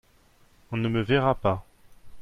On ne me verra pas.